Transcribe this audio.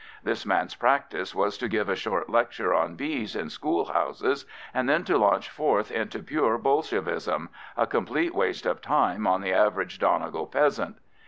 This man's practice was to give a short lecture on bees in school houses, and then to launch forth into pure Bolshevism—a complete waste of time on the average Donegal peasant.